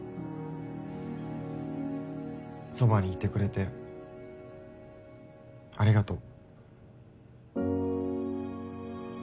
そばにいてくれてありがとう。